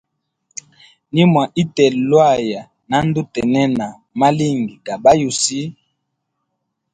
Nimwa itela lwaya, na ndutenena malingi ga ba yusi.